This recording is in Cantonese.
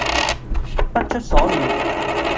不出所料